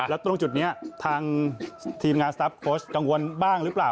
แล้วตรงจุดนี้ทางทีมงานกังวลบ้างหรือเปล่า